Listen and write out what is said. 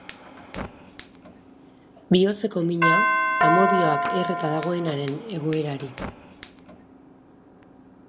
Bihotzeko mina, amodioak erreta dagoenaren egoerari.